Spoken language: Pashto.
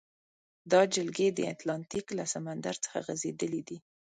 دا جلګې د اتلانتیک له سمندر څخه غزیدلې دي.